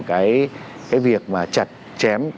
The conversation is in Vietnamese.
cái việc mà chặt chém